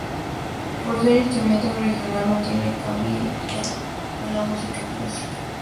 Por ser un instrumento regional no tiene cabida en la música clásica.